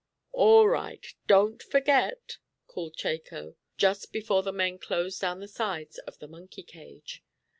"All right, don't forget!" called Chako, just before the men closed down the sides of the monkey cage.